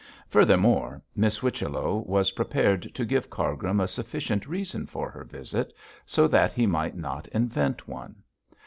Furthermore, Miss Whichello was prepared to give Cargrim a sufficient reason for her visit, so that he might not invent one.